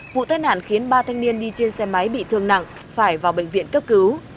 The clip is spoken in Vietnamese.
vụ tai nạn khiến ba thanh niên đi trên xe máy bị thương nặng phải vào bệnh viện cấp cứu